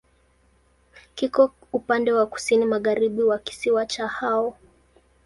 Kiko upande wa kusini-magharibi wa kisiwa cha Hao.